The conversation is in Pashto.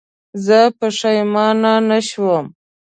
زه پښېمانه نه شوم.